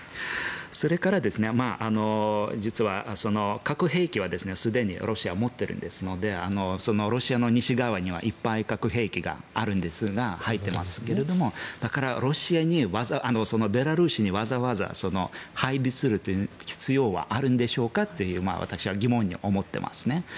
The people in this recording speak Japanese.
それから、実は核兵器はすでにロシアは持っているのでロシアの西側にはいっぱい核兵器があるんですが入っていますけれどもだから、ベラルーシにわざわざ配備する必要はあるんでしょうか？と私は疑問に思っています。